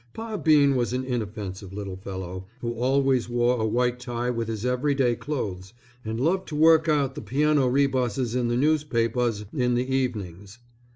Pa Bean was an inoffensive little fellow who always wore a white tie with his everyday clothes, and loved to work out the piano rebuses in the newspapers in the evenings.